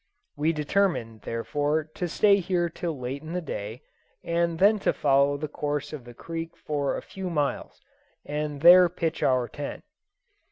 We determined, therefore, to stay here till late in the day, and then to follow the course of the creek for a few miles, and there pitch our tent.